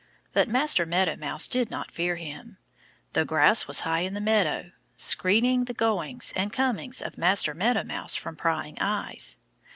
But Master Meadow Mouse did not fear him. The grass was high in the meadow, screening the goings and comings of Master Meadow Mouse from prying eyes.